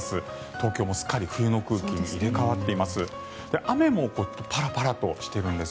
東京もすっかり冬の空気に入れ替わっています。